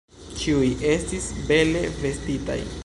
Ĉiuj estis bele vestitaj.